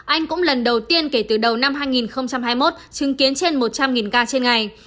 anh cũng lần đầu tiên kể từ đầu năm hai nghìn hai mươi một chứng kiến trên một trăm linh ca trên ngày